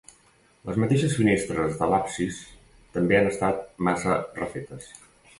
Les mateixes finestres de l'absis també han estat massa refetes.